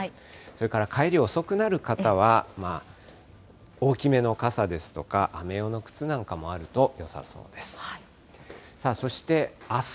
それから帰り遅くなる方は、大きめの傘ですとか雨用の靴なんかもあるとよさそうです。